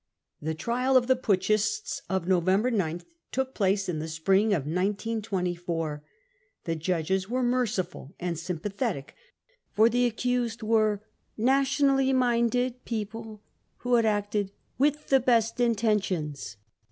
* The trial of the putschists of November gth took place in the spring of 1924. The judges were merciful and sym pathetic : for the accused were 44 nationally minded 53 people who had acted 44 with the best intentions.